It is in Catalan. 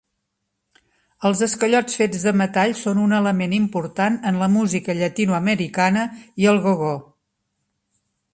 Els esquellots fets de metall són un element important en la música llatinoamericana i el go-go.